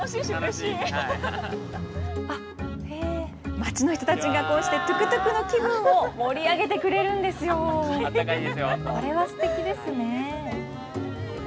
町の人たちがこうしてトゥクトゥクの気分を盛り上げてくれるこれはすてきですね。